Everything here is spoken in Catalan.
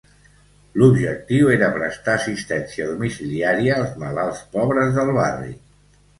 L'objectiu era prestar assistència domiciliària als malalts pobres del barri.